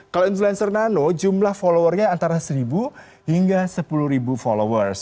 kalau influencer nano jumlah followernya antara seribu hingga sepuluh ribu followers